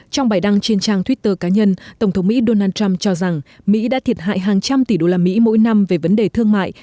trong bài đăng trên trang twitter cá nhân tổng thống mỹ donald trump cho rằng mỹ đã thiệt hại hàng trăm tỷ đô la mỹ mỗi năm về vấn đề thương mại